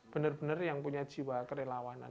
benar benar yang punya jiwa kerelawanan